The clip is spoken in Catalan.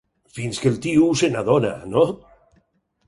Fins que el tiu... se n'adona, no?